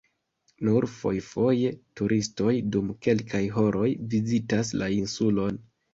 Nur fojfoje turistoj dum kelkaj horoj vizitas la insulon.